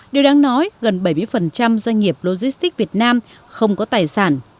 điều đáng nói gần bảy mươi doanh nghiệp logistics việt nam không có tài sản